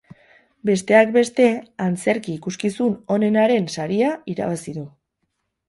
Besteak beste, antzerki ikuskizun onenaren saria irabazi du.